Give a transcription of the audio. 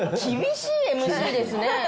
厳しいＭＣですね。